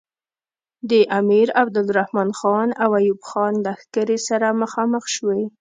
د امیر عبدالرحمن خان او ایوب خان لښکرې سره مخامخ شوې.